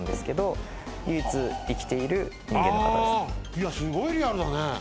いやすごいリアルだね。